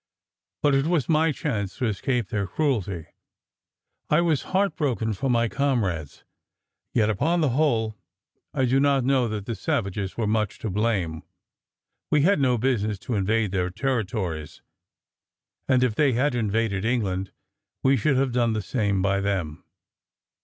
But it was my chance to escape their cruelty. I was heart broken for my comrades; yet upon the whole, I do not know that the savages were much to blame we had no business to invade their territories! and if they had invaded England, we should have done the same by them.